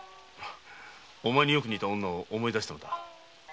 お前によく似た女を思い出したのだ。